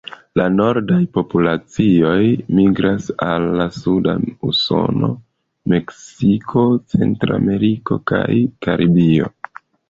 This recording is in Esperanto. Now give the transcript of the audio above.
La nordaj populacioj migras al suda Usono, Meksiko, Centrameriko kaj Karibio.